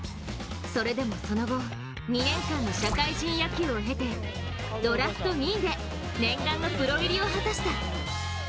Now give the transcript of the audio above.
それでもその後、２年間の社会人野球を経てドラフト２位で念願のプロ入りを果たした。